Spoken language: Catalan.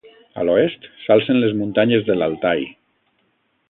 A l'oest, s'alcen les muntanyes de l'Altai.